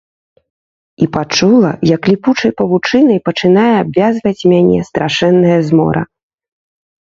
І пачула, як ліпучай павучынай пачынае абвязваць мяне страшэнная змора.